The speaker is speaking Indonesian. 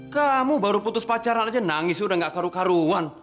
kamu baru putus pacaran aja nangis udah gak karu karuan